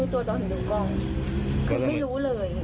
คือไม่รู้เลย